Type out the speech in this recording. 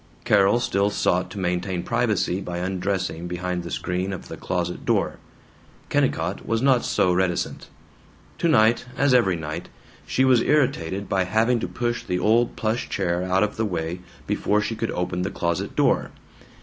Carol still sought to maintain privacy by undressing behind the screen of the closet door. Kennicott was not so reticent. Tonight, as every night, she was irritated by having to push the old plush chair out of the way before she could open the closet door.